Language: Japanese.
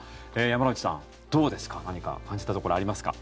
山之内さん、どうですか何か感じたところありますか？